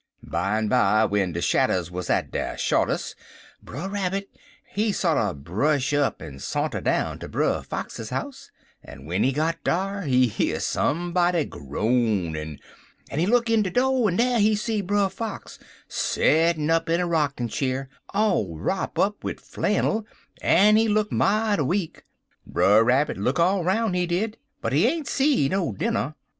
"Bimeby, w'en de shadders wuz at der shortes', Brer Rabbit he sorter brush up en sa'nter down ter Brer Fox's house, en w'en he got dar, he hear somebody groanin', en he look in de do' an dar he see Brer Fox settin' up in a rockin' cheer all wrop up wid flannil, en he look mighty weak. Brer Rabbit look all roun', he did, but he ain't see no dinner.